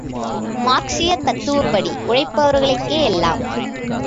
மார்க்சீய தத்துவப்படி உழைப்பவர்களுக்கே எல்லாம்!